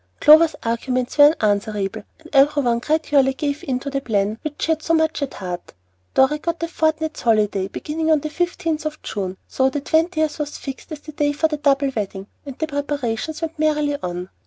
Clover's arguments were unanswerable, and every one gradually gave in to the plan which she had so much at heart. Dorry got a fortnight's holiday, beginning on the 15th of June; so the twentieth was fixed as the day for the double wedding, and the preparations went merrily on.